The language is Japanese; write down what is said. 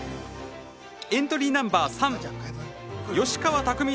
エントリーナンバー３吉川拓見